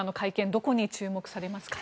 どこに注目されますか？